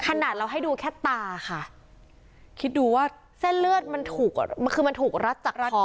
ขนาดเราให้ดูแค่ตาค่ะคิดดูว่าเส้นเลือดมันถูกอ่ะคือมันถูกรัดจากรัดคอ